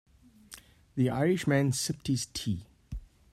The Irish man sipped his tea.